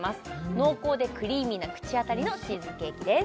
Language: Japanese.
濃厚でクリーミーな口当たりのチーズケーキです